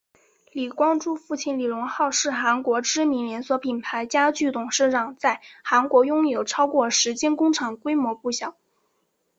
李光洙父亲李宗浩是韩国知名连锁品牌家具董事长在韩国拥有超过十间工厂规模不小。